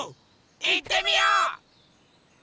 いってみよう！